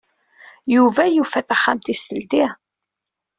Yuba yufa taxxamt-is teldi.